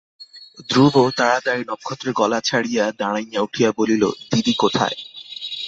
ধ্রুব তাড়াতাড়ি নক্ষত্রের গলা ছাড়িয়া দাঁড়াইয়া উঠিয়া বলিল, দিদি কোথায়?